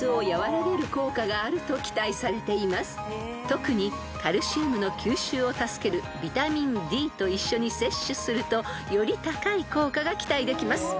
［特にカルシウムの吸収を助けるビタミンＤと一緒に摂取するとより高い効果が期待できます］